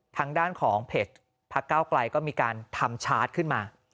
ทางด้านของเพจพักเก้าไกลก็มีการทำชาร์จขึ้นมา